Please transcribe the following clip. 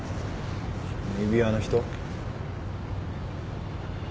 指輪の人。